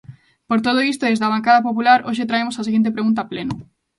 Por todo isto desde a bancada popular hoxe traemos a seguinte pregunta a pleno.